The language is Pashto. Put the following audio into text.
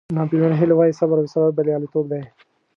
ناپیلیون هیل وایي صبر او اصرار بریالیتوب دی.